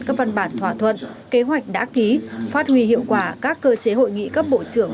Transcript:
các văn bản thỏa thuận kế hoạch đã ký phát huy hiệu quả các cơ chế hội nghị cấp bộ trưởng